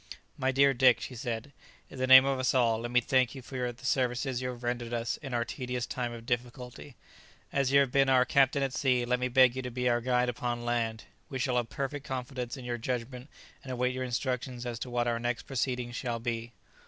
"My dear Dick," she said, "in the name of us all, let me thank you for the services you have rendered us in our tedious time of difficulty. As you have been our captain at sea, let me beg you to be our guide upon land. We shall have perfect confidence in your judgment, and await your instructions as to what our next proceedings shall be."